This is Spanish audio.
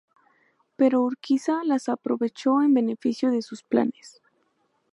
Pero Urquiza las aprovechó en beneficio de sus planes.